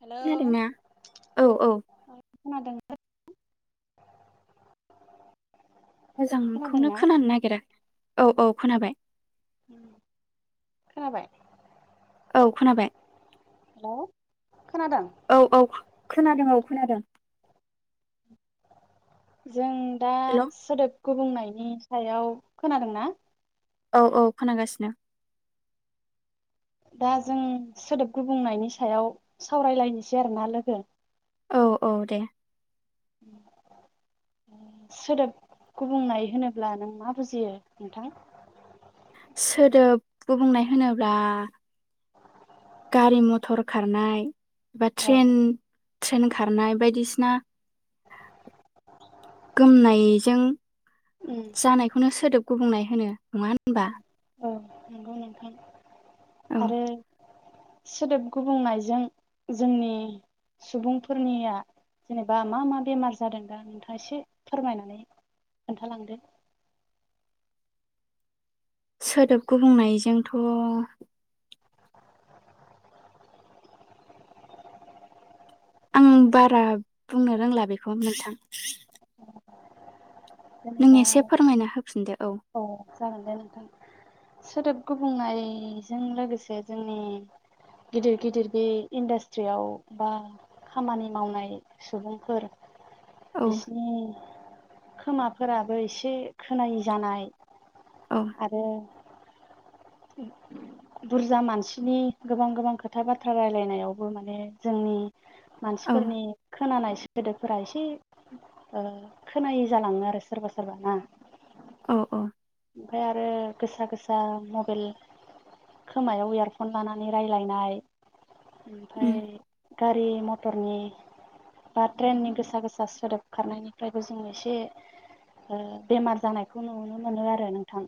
Hello खोनादोंना? औ औ खोनादोंना [unintelligible] मोजांखौनो खोनादोंना खोनानो नागिरा औ औ खोनाबाय। उम खोनाबाय? औ खोनाबाय हेलौ खोनादों औ औ खोनादों औ खोनादों जों दा हेल' सोदोब गुबुंनायनि सायाव खोनादों ना? औ औ खोनागासिनो दा जों सोदोब गुबुंनायनि सायाव सावरायलायनोसै आरोना लोगो औ औ दे सोदोब गुबुंनाय होनोब्ला नों मा बुजियो नोंथां? सोदोब गुबुंनाय होनोब्ला गारि मथर खारनाय एबा औ ट्रेन ट्रेन खारनाय बायदिसिना गोमनायजों उम जानायखौनो सोदोब गुबुंनाय होनो होनबा औ नंगौ नोंथां औ आरो सोदोब गुबुंनायजों जोंनि सुबुंफोरनिया जेनेबा मा मा बेमार जादों दा नोंथाङा एसे फोरमायनानै खोन्थालांदो। सोदोब गुबुंनायजोंथ' आं बारा बुंनो रोंला बेखौ नोंथां। नों जेनेबा एसे फोरमायना होफिनदो औ जागोन दे नोंथां सोदोब गुबुंनायजों लोगोसे जोंनि गिदिर गिदिर बे इन्डास्ट्रियाव बा खामानि मावनाय सुबुंफोर औ बिसिनि खोमाफोराबो एसे खोनायै जानाय औ आरो बुरजा मानसिनि गोबां गोबां खोथा बाथ्रा रायलायनायावबो माने जों औ मानसिफोरनि खोनानाय सोदोबफोरा एसे ओ खोनायै जालाङो आरो सोरबा सोरबा ना औ औ ओमफाय आरो गोसा गोसा मबेल खोमायाव इयारफन लानानै रायजलायनाय उम ओमफाय गारि मटरनि बा ट्रेननि गोसा गोसा सोदोब खारनायनिफ्रायबो जों एसे ओ बेमार जानायखौ नुनो मोनो आरो नोंथां।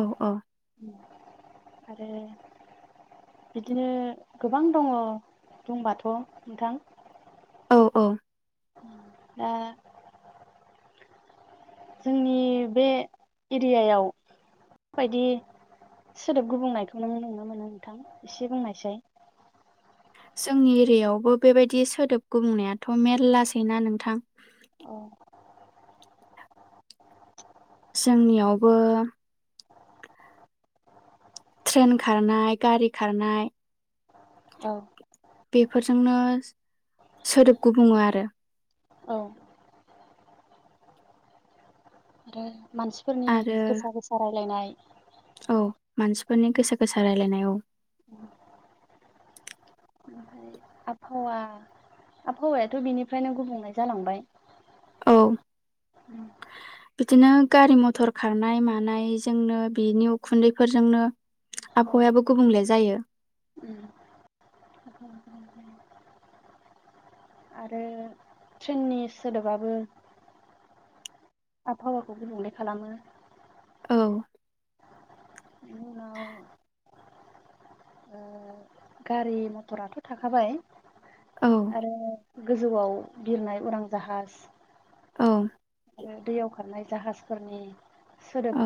औ औ आरो बिदिनो गोबां दङ बुंबाथ' नोंथां औ औ दा जोंनि बे एरियायाव बायदि सोदोब गुबुंनायखौ नों नुनो मोनो नोंथां एसे बुंनायसै जोंनि एरियायावबो बेबायदि सोदोब गुबुंनायाथ' मेरलासैना नोंथां? औ जोंनियावबो ट्रेन खारनाय, गारि खारनाय औ बेफोरजोंनो सोदोब गुबुङो आरो औ मानसिफोरनि आरो गोसा गोसा रायलायनाय औ मानसिफोरनि गोसा गोसा रायलायनाय औ [inaudible] आबहावा आबहावायाथ' बिनिफ्रायनो गुबुंले जालांबाय औ बिदिनो गारि मथर खारनाय मानायजोंनो बिनि उखुन्दैफोरजोंनो औ आबहावायाबो गुबुंले जायो। आरो ट्रेननि सोदोबाबो आबहावाखौ गोबुंले खालामो। औ बेनि उनाव ओ गारि मथराथ' थाखाबाय औ आरो गोजौआव बिरनाय उरां जाहाज औ आरो दैयाव खारनाय जाहाजफोरनि सोदोब औ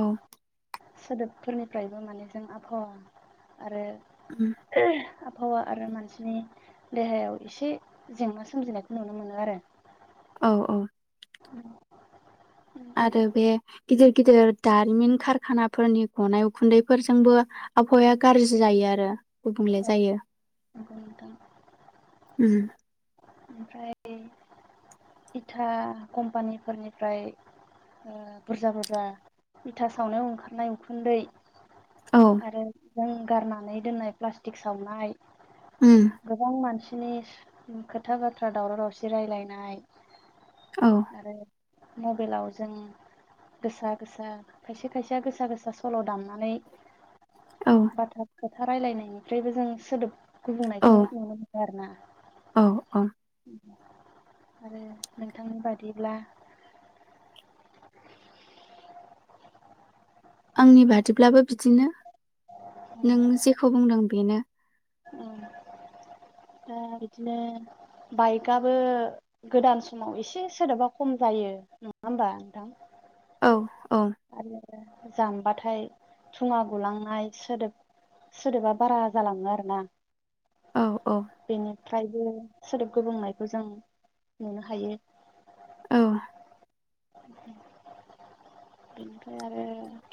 सोदोबफोरनिफ्रायबो माने जों आबहावा आरो उम आबहावा आरो मानसिनि देहायाव एसे जेंना सोमजिनायखौ नुनो मोनो आरो। अह अह [inaudible] आरो बे गिदिर गिदिर दारिमिन कारखानाफोरनि गनाय उखुन्दैफोरजोंबो आबहावाया गारजि जायो आरो। गुबुंले औ जायो नंगौ नोंथां उम। ओमफ्राय इथा कम्पानिफोरनिफ्राय ओ बुरजा बुरजा इथा सावनायाव ओंखारनाय उखुन्दै औ आरो जों गारनानै दोननाय प्लास्टिक सावनाय उम गोबां मानसिनि ओंखो खोथा बाथ्रा दावराव दावसि रायलायनाय औ आरो मबेलाव स जों गोसा गोसा खायसे खायसेया गोसा गोसा सल' दामनानै औ बाथ खोथा रायलायनायनिफ्रायबो जों सोदोब औ गुबुंनायखौ नुनो मोनो। फाय आरोना औ औ आरो नोंथांनि बादिब्ला आंनि बादिब्लाबो बिदिनो। नों जेखौ बुंदों बेनो। दा बिदिनो बाइकआबो गोदान समाव एसे सोदोबा खम जायो नङा होमबा नोंथां? औ औ आ जाम बाथाय थुङा गुलांनाय सोदोब सोदोबा बारा जालाङो आरोना। औ औ बिनि फ्रायबो सोदोब गुबुंनायखौ जों नुनो हायो। औ बेनिफ्राय आरो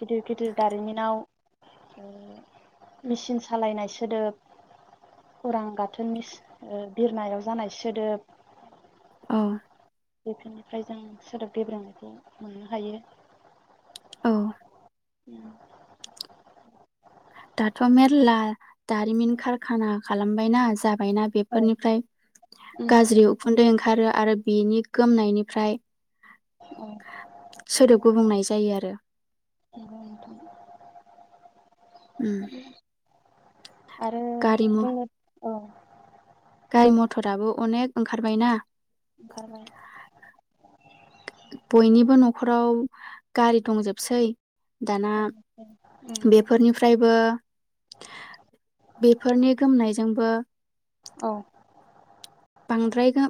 गिदिर गिदिर दारिमिनाव मेचिन सालायनाय सोदोब उरां गाथोननि बिरनायाव जानाय सोदोब। औ बेफोरनिफ्राय जों सोदोब गेब्रेंनायखौ मोननो हायो। औ [inaudible] दाथ' मेरला दारिमिन कारखाना खालामबायना जाब बायना औ बेफोरनिफ्राय उम गाज्रि उखुन्दै ओंखारो। आरो बिनि गोमनायनिफ्राय औ सोदोब गुबुंनाय जायो आरो। नंगौ नोंथां उम आरो गारि मथर बुंनो औ गारि मथराबो अनेक ओंखारबाय ना। ओंखारबाय बयनिबो न'खराव गारि दंजोबसै दाना उम बेफोरनिफ्रायबो बेफोरनि गोमनायजोंबो औ बांद्राय गा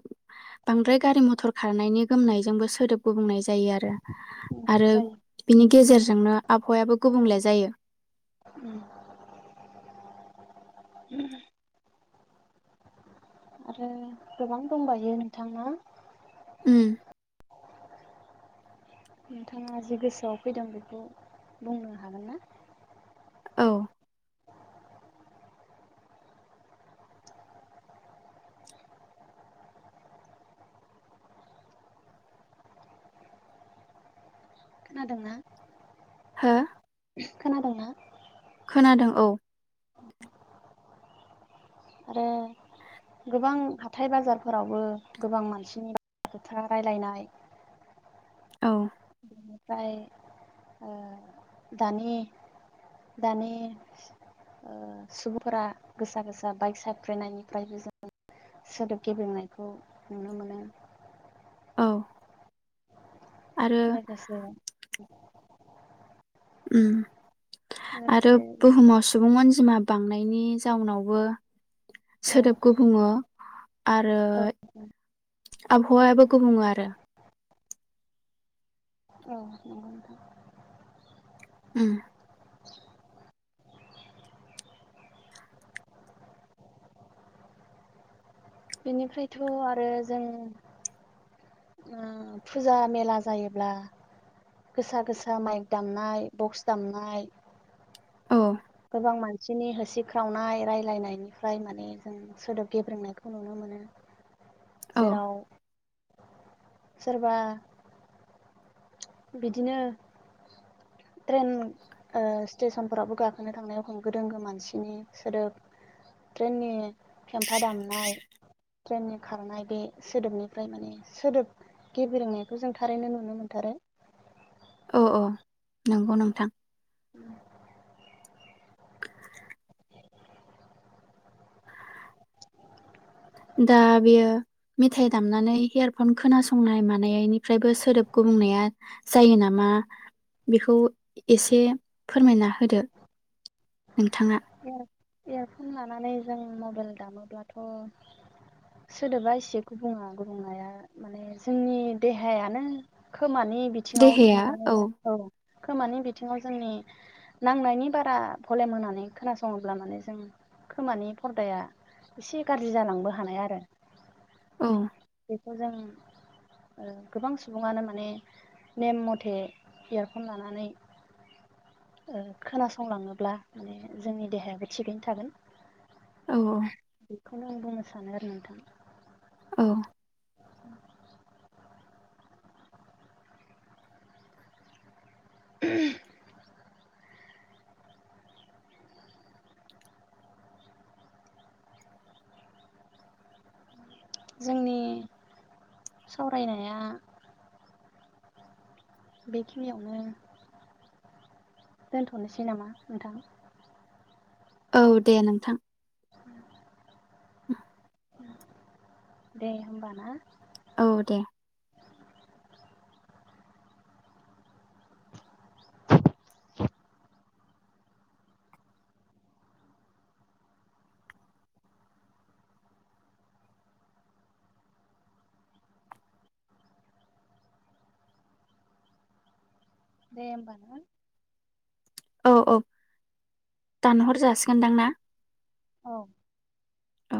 -बांद्राय गारि मथर खारनायनि गोमनायजोंबो सोदोब गुबुंनाय [unintelligible] जायो आरो-आरो जायो बिनि गेजेरजोंनो आबहावायाबो गुबुंले जायो। उम आरो गोबां दंबायो नोंथां ना ओम। नोंथाङा जि गोसोआव फैदों बेखौ बुंनो हागोन ना। औ खोनादोंना? हो खोनादोंंना? खोनादों औ। आरो गोबां हाथाय -बाजारफोरावबो गोबां मानसिनि ब- बाथ्रा रायलायनाय औ। बेनिफ्राय ओ दानि-दानि सुबुंफोरा गोसा- गोसा बाइक सफ्रिनायनिफ्रायबो जों सोदोब गेबंनायखौ नुनो मोनो। औ आरो लोगोसे उम। आरो लोगोसे बुहुमाव सुबुं अनजिमा बांनाय। [unintelligible] जाउनावबो औ सोदोबखौ गुबुङो आरो औ आबहावायाबो गुबुङो आरो। औ नंगौ नोंथां। ओम। [unintelligible] बेनिफ्रायथ' आरो जों ओ फुजा -मेला जायोब्ला। गोसा-गोसा माइक दामनाय बक्स दामनाय। औ। गोबां मानसिनि होसिख्रावनाय रायलायनायनिफ्राय माने जों सोदोब गेब्रेंनायखौ नुनो मोनो। औ जेराव सोरबा बिदिनो ट्रेन ओ स्टेसनफोरावबो गाखोनो थांनाय एखम गोदोंगो मानसिनि सोदोब ट्रेननि फेमफा दामनाय ट्रेननि खारनाय बे सोदोबनिफ्राय माने सोदोब गेब्रेंनायखौ जों थारैनो नुनो [unintelligible] [unintelligible] औ, औ। नंगौ नोंथां। दा बेयो मेथाइ दामनानै हेयारफन खोनासंनाय मानायनिफ्रायबो सोदोब गुबुंनाया जायो नामा? बेखौ एसे फोरमायना होदो। नोंथाङा। इयारफन लानानै जों मबाइल दामोब्लाथ' सोदोबा एसे गुबुङा गुबुंनाया माने जोंनि देहायानो खोमानो नि बिथिङाव नुनानै औ खोमानि बिथिङाव जोंनि नांनायनि बारा भलेम होनानै। खोनासङोब्ला माने जों खोमानि फरदाया एसे गाज्रि जालांबो हानाय आरो। औ बेखौ जों ओ गोबां सुबुङानो माने नेम मथे इयारफन लानानै ओ खोनासंलाङोब्ला माने जोंनि देहायाबो थिगैनो थागोन औ बेखौनो आं बुंनो सानो आरो नोंथां औ [inaudible] जोंनि सावरायनाया बेखिनियावनो दोनथनोसै नामा नोंथां औ दे नोंथां [inaudible] दे होमबा ना औ दे दे होमबा ना औ औ दानहर जासिगोनदां ना औ औ